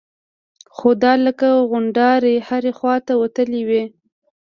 خو دا لکه غونډارې هرې خوا ته وتلي وي.